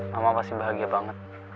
mama pasti bahagia banget